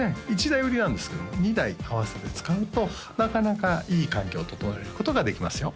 １台売りなんですけど２台あわせて使うとなかなかいい環境を整えることができますよ